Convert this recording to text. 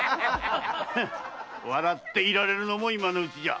笑っていられるのも今のうちじゃ。